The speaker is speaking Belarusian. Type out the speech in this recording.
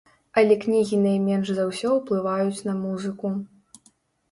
Але кнігі найменш за ўсё ўплываюць на музыку.